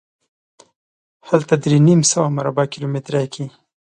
هلته درې نیم سوه مربع کیلومترۍ کې.